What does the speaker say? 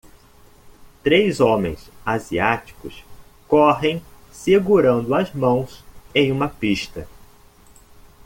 Três homens asiáticos correm segurando as mãos em uma pista.